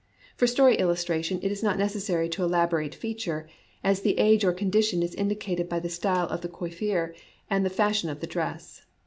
For story illustration it is not necessary to elabo rate feature, as the age or condition is indi cated by the style of the coiffure and the fashion of the dress.